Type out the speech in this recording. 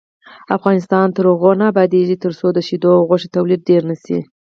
افغانستان تر هغو نه ابادیږي، ترڅو د شیدو او غوښې تولید ډیر نشي.